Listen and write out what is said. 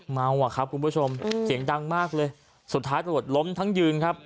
เมาอ่ะครับคุณผู้ชมเสียงดังมากเลยสุดท้ายตำรวจล้มทั้งยืนครับ